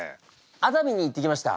熱海に行ってきました。